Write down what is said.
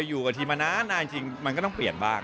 อยู่กับทีมมานานจริงมันก็ต้องเปลี่ยนบ้าง